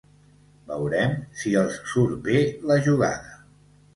Veurem si els surt bé la jugada.